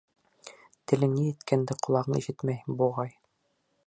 Телең ни әйткәнде ҡолағың ишетмәй, буғай.